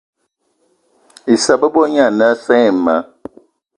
Issa bebo gne ane assa ayi ma.